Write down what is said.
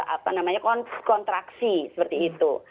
apa namanya kontraksi seperti itu